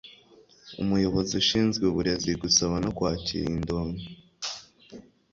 umuyobozi ushinzwe uburezi gusaba no kwakira indonke